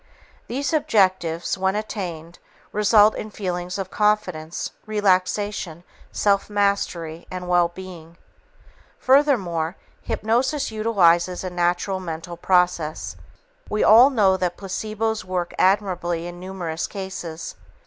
These objectives, when attained, result in feelings of confidence, relaxation, self mastery and well being. Furthermore, hypnosis utilizes a natural mental process. We all know that placebos work admirably in numerous cases.